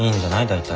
大体。